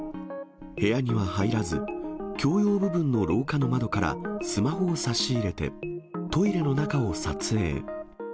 部屋には入らず、共用部分の廊下の窓からスマホを差し入れて、トイレの中を撮影。